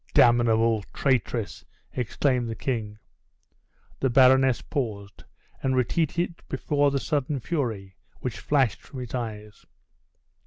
"Damnable traitress!" exclaimed the king. The baroness paused, and retreated before the sudden fury which flashed from his eyes.